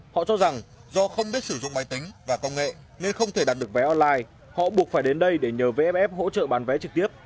họ cho rằng do không biết sử dụng máy tính và công nghệ nên không thể đạt được vé online họ buộc phải đến đây để nhờ vff hỗ trợ bán vé trực tiếp